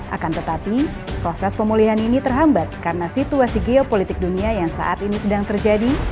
akan tetapi proses pemulihan ini terhambat karena situasi geopolitik dunia yang saat ini sedang terjadi